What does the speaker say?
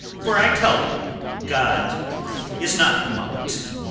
For I tell thee God is not mocked.